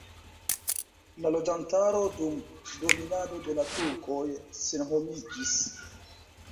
La loĝantaro dum dominado de la turkoj senhomiĝis.